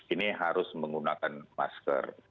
ini harus menggunakan masker